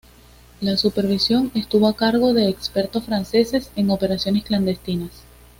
La supervisión estuvo a cargo de expertos franceses en operaciones clandestinas.